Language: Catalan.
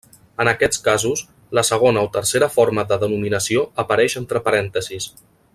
En aquests casos, la segona o tercera forma de denominació apareix entre parèntesis.